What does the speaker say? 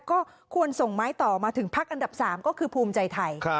ก็ควรส่งไม้ต่อมาถึงพักอันดับ๓ก็คือภูมิใจไทย